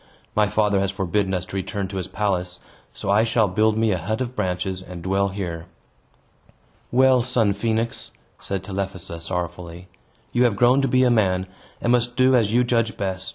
My father has forbidden us to return to his palace, so I shall build me a hut of branches, and dwell here." "Well, son Phoenix," said Telephassa, sorrowfully, "you have grown to be a man, and must do as you judge best.